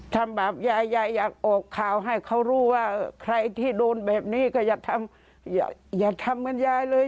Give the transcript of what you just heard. ทำแบบยายยายอยากออกข่าวให้เขารู้ว่าใครที่โดนแบบนี้ก็อย่าทำอย่าทำเหมือนยายเลย